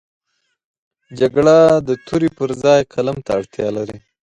جګړه د تورې پر ځای قلم ته اړتیا لري